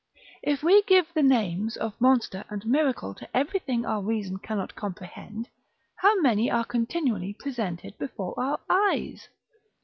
If we give the names of monster and miracle to everything our reason cannot comprehend, how many are continually presented before our eyes?